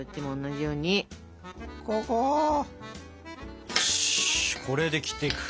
よしこれで切っていく。